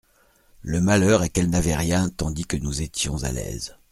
Le malheur est qu'elle n'avait rien, tandis que nous étions à l'aise.